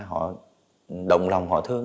họ động lòng họ thương